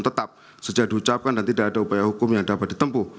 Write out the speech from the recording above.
tetap sejak diucapkan dan tidak ada upaya hukum yang dapat ditempuh